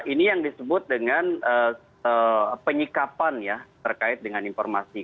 ini yang disebut dengan penyikapan ya terkait dengan informasi